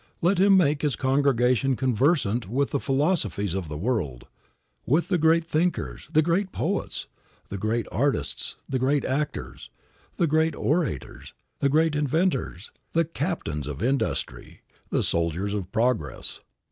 Let him make his congregation conversant with the philosophies of the world, with the great thinkers, the great poets, the great artists, the great actors, the great orators, the great inventors, the captains of industry, the soldiers of progress.